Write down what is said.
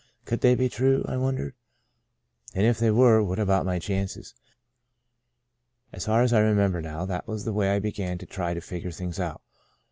Could they be true? I wondered. And if they were, what about my chances ? As far as I remember now, that was the way I began to try to figure things out.